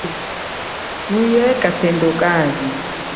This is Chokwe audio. Thuye kasendo kami.